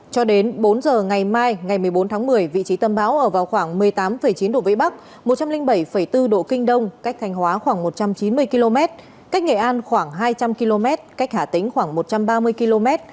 cho đến bốn giờ ngày mai ngày một mươi bốn tháng một mươi vị trí tâm bão ở vào khoảng một mươi tám chín độ vĩ bắc một trăm linh bảy bốn độ kinh đông cách thanh hóa khoảng một trăm chín mươi km cách nghệ an khoảng hai trăm linh km cách hà tĩnh khoảng một trăm ba mươi km